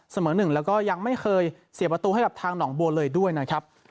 เสมอหนึ่งแล้วก็ยังไม่เคยเสียประตูให้กับทางหนองบัวเลยด้วยนะครับ